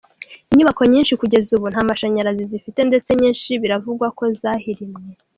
Inyubako nyinshi kugeza ubu nta mashanyarazi zifite ndetse nyinshi biravugwa ko zahirimye.